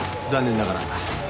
残念ながら。